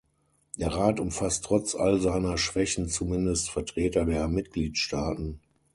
Der Rat umfasst trotz all seiner Schwächen zumindest Vertreter der Mitgliedstaaten.